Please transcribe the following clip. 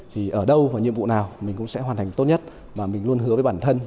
thì ở đâu và nhiệm vụ nào mình cũng sẽ hoàn thành tốt nhất mà mình luôn hứa với bản thân